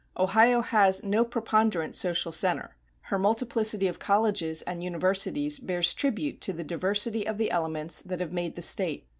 Ohio has no preponderant social center; her multiplicity of colleges and universities bears tribute to the diversity of the elements that have made the State.